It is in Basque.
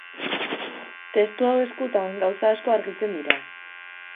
Testu hau eskutan, gauza asko argitzen dira.